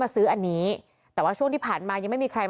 และก็คือว่าถึงแม้วันนี้จะพบรอยเท้าเสียแป้งจริงไหม